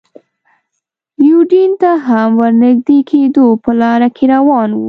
یوډین ته هم ور نږدې کېدو، په لاره کې روان و.